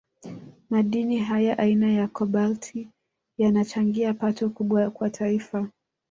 Madini haya aina ya Kobalti yanachangia pato kubwa kwa Taifa